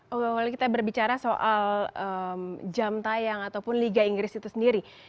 oke kalau kita berbicara soal jam tayang ataupun liga inggris itu sendiri